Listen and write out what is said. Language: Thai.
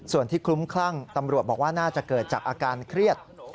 ส่วนที่คลุ้มคลั่งตำรวจบอกว่าน่าจะเกิดจากอาการเครียด